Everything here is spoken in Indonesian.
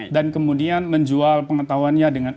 dan kemudian menjual pengetahuannya dengan